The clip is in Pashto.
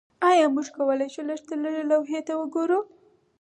ایا موږ کولی شو لږترلږه لوحې ته وګورو